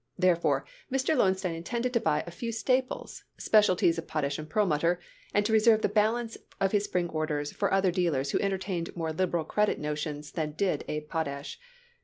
Therefore, Mr. Lowenstein intended to buy a few staples, specialties of Potash & Perlmutter, and to reserve the balance of his spring orders for other dealers who entertained more liberal credit notions than did Abe Potash.